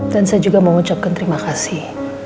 dan saya juga mau ucapkan terima kasih